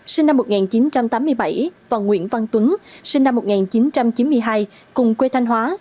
sinh năm một nghìn chín trăm tám mươi bảy và nguyễn văn tuấn sinh năm một nghìn chín trăm chín mươi hai cùng quê thanh hóa